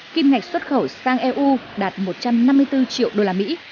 kim ngạch xuất khẩu sang eu đạt một trăm năm mươi bốn triệu đô la mỹ